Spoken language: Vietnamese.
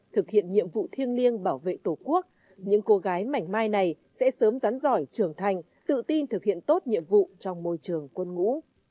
thực hiện nhiệm vụ thiêng liêng bảo vệ tổ quốc những cô gái mảnh mai này sẽ sớm rắn giỏi trưởng thành tự tin thực hiện tốt nhiệm vụ trong môi trường quân ngũ